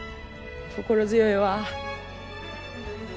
心強いわぁ。